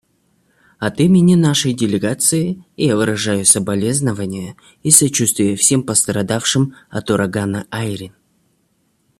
От имени нашей делегации я выражаю соболезнование и сочувствие всем пострадавшим от урагана «Айрин».